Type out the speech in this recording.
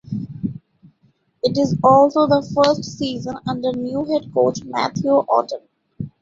It is also the first season under new head coach Matthew Otten.